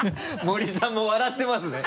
森さんも笑ってますね。